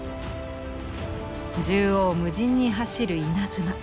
縦横無尽に走る稲妻。